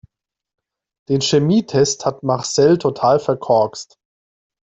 Den Chemietest hat Marcel total verkorkst.